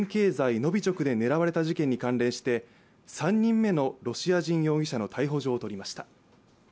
ノヴィチョクで狙われた事件に関連して３人目のロシア人容疑者の逮捕状を取りました。